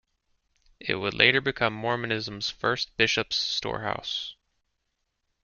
It would later become Mormonism's first bishop's storehouse.